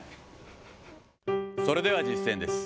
それでは実践です。